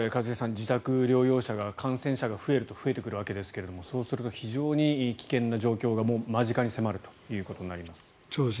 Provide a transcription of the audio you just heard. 自宅療養者が感染者が増えると増えてくるわけですがそうすると非常に危険な状況が間近に迫るということになります。